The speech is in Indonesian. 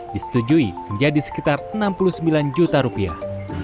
disetujui menjadi sekitar enam puluh sembilan juta rupiah